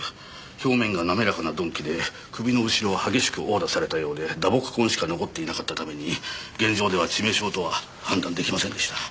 表面が滑らかな鈍器で首の後ろを激しく殴打されたようで打撲痕しか残っていなかったために現場では致命傷とは判断出来ませんでした。